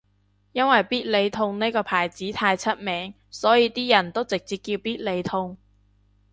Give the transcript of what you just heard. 因為必理痛呢個牌子太出名所以啲人都直接叫必理痛